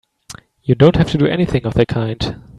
You don't have to do anything of the kind!